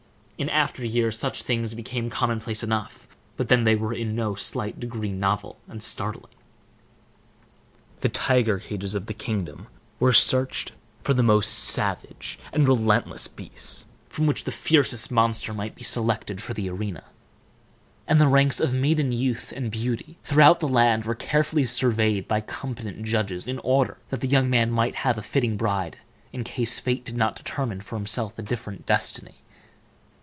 In after years such things became commonplace enough, but then they were in no slight degree novel and startling. The tiger cages of the kingdom were searched for the most savage and relentless beasts, from which the fiercest monster might be selected for the arena; and the ranks of maiden youth and beauty throughout the land were carefully surveyed by competent judges in order that the young man might have a fitting bride in case fate did not determine for him a different destiny.